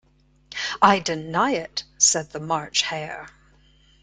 ‘I deny it!’ said the March Hare.